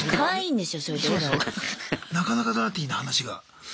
なかなかダーティーな話が。